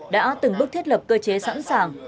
đã từng bước thiết lập cơ chế sẵn sàng